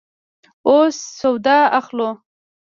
اوس سودا اخلو